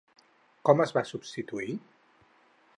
Com es va substituir?